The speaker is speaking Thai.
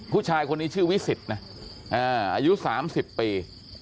ผู้ชายคนนี้ชื่อวิสิตนะอายุ๓๐ปี